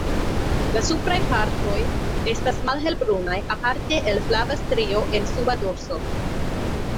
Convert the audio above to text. La supraj partoj estas malhelbrunaj aparte el flava strio en suba dorso.